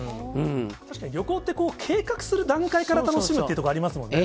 確かに旅行って、計画する段階から楽しむというところありますもんね。